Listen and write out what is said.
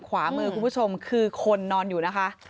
ขวามือคุณผู้ชมคือคนนอนอยู่นะคะ